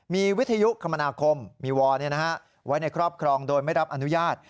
มีวิทยุคมนาคมมีวอลไว้ในครอบครองโดยไม่รับอนุญาต